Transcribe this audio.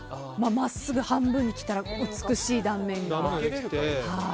真っすぐ半分に切ったら美しい断面が。